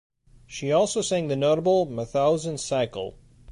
She also sang the notable 'Mauthausen Cycle'.